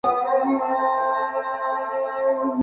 Hello, ওখানে কে?